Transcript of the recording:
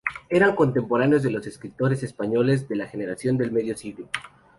Eran los contemporáneos de los escritores españoles de la Generación del medio siglo.